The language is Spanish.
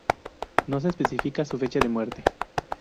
No se especifica su fecha de muerte.